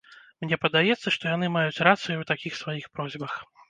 Мне падаецца, што яны маюць рацыю ў такіх сваіх просьбах.